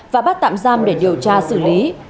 và bắt tạm giam để điều tra xử lý